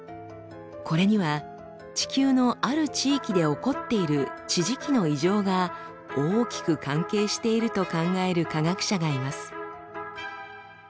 これには地球のある地域で起こっている地磁気の異常が大きく関係していると考える科学者がいます。